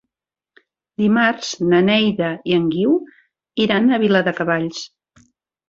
Dimarts na Neida i en Guiu iran a Viladecavalls.